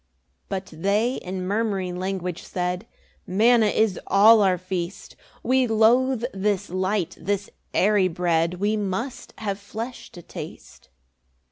4 But they in murmuring language said, "Manna is all our feast; "We loathe this light, this airy bread; "We must have flesh to taste."